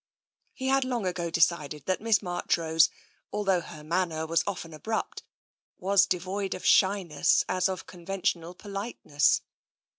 He had long ago decided that Miss Marchrose, al though her manner was often abrupt, was devoid of shyness as of conventional politeness.